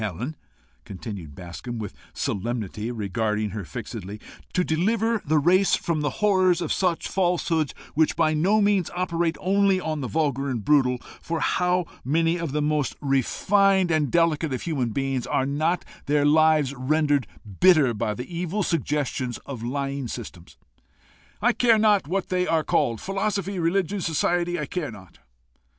Helen," continued Bascombe with solemnity, regarding her fixedly, "to deliver the race from the horrors of such falsehoods, which by no means operate only on the vulgar and brutal, for to how many of the most refined and delicate of human beings are not their lives rendered bitter by the evil suggestions of lying systems I care not what they are called philosophy, religion, society, I care not?